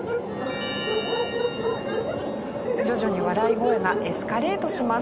徐々に笑い声がエスカレートします。